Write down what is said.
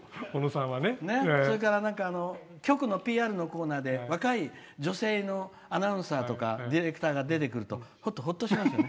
それから、局のＰＲのコーナーで若い女性のアナウンサーとかディレクターが出てくるとほっとしますよね。